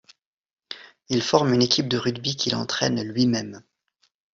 Il forme une équipe de rugby, qu'il entraîne lui-même.